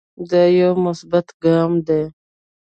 دا يو مثبت ګام دے